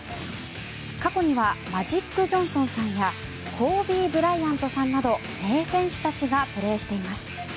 過去にはマジック・ジョンソンさんやコービー・ブライアントさんなど名選手たちがプレーしています。